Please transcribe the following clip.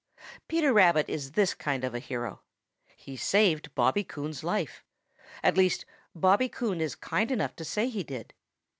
Peter Rabbit is this kind of a hero. He saved Bobby Coon's life. At least, Bobby Coon is kind enough to say he did.